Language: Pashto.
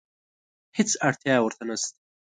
هېڅ اړتیا ورته نشته.